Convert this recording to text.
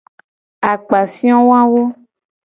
Akpafio wawo.